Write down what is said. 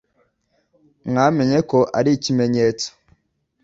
mwamenye ko ari ikimenyetso